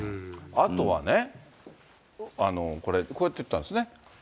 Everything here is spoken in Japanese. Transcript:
あとはね、これ、こうやって言ったんですね。